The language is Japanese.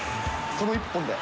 その１本で？